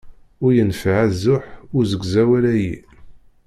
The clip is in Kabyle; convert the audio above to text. Ur yenfiɛ azuḥ usegzawal-ayi.